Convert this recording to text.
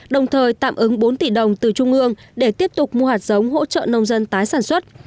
đồng thời tạm ứng bốn tỷ đồng từ trung ương để tiếp tục mua hạt giống hỗ trợ nông dân tái sản xuất